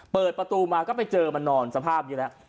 เปิดประตูมาก็ไปเจอมันนอนสภาพนี้แล้ว